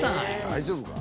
大丈夫か？